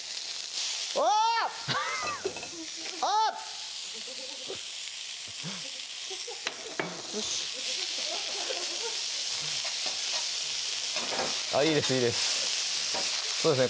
わあっ！あっ！あっいいですいいですそうですね